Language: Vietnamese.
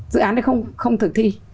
dự án đấy không thực thi